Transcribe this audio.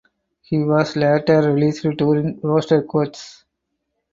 He was later released during roster cuts.